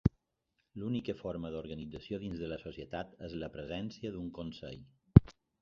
L'única forma d'organització dins de la societat és la presència d'un Consell.